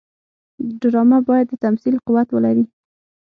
ډرامه باید د تمثیل قوت ولري